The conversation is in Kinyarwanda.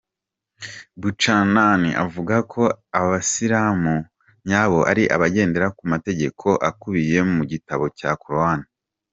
Buchanan avuga ko Abasilamu nyabo ari abagendera ku mategeko akubiye mu gitabo cya Korowani.